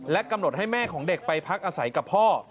กำหนดให้แม่ของเด็กไปพักอาศัยกับพ่อ